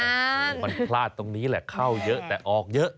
โอ้โหมันพลาดตรงนี้แหละเข้าเยอะแต่ออกเยอะ